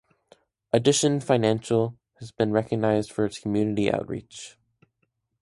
Addition Financial has been recognized for its community outreach.